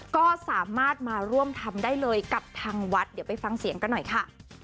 ก็สามารถมาร่วมทำได้เลยกับทางวัดเดี๋ยวไปฟังเสียงกันหน่อยค่ะ